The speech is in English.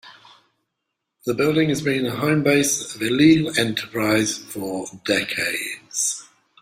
The building has been the home base of the illegal enterprise for decades.